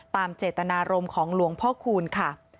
ตามเจตนารมณ์ของหลวงพ่อคูณค่ะ